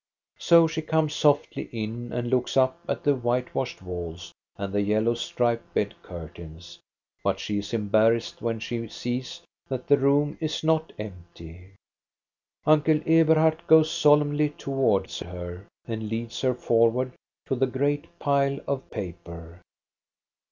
So she comes softly in and looks up at the white washed walls and the yellow striped bed curtains, but she is embarrassed when she sees that the room is not empty. Uncle Eberhard goes solemnly towards her, and leads her forward to the great pile of paper.